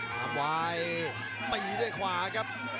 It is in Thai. ตามไวน์ไปด้วยขวาครับ